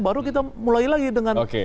baru kita mulai lagi dengan